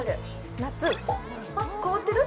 夏あっ変わってる？